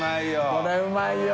これうまいよ。